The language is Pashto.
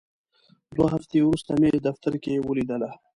دوه هفتې وروسته مې دفتر کې ولیدله.